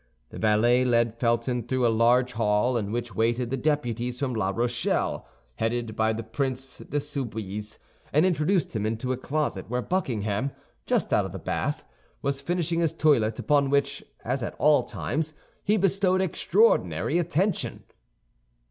The valet led Felton through a large hall in which waited the deputies from La Rochelle, headed by the Prince de Soubise, and introduced him into a closet where Buckingham, just out of the bath, was finishing his toilet, upon which, as at all times, he bestowed extraordinary attention.